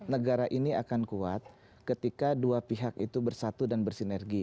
negara ini akan kuat ketika dua pihak itu bersatu dan bersinergi